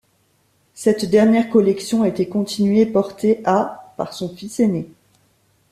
Cette dernière collection a été continuée et portée à par son fils aîné.